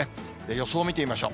予想見てみましょう。